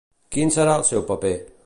Quin serà el seu paper?